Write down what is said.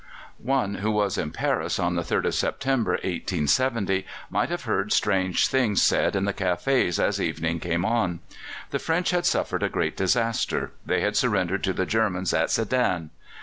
One who was in Paris on the 3rd of September, 1870, might have heard strange things said in the cafés as evening came on. The French had suffered a great disaster; they had surrendered to the Germans at Sedan!